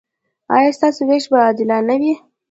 ایا ستاسو ویش به عادلانه وي؟